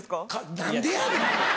何でやねん！